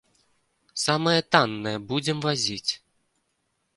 Самае таннае будзем вазіць.